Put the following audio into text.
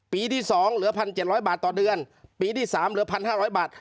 ปีที่๒เหลือ๑๗๐๐บาทต่อเดือนปีที่๓เหลือ๑๕๐๐บาท